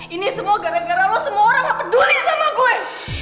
ini semua gara gara lho semoga ngeduli sama gue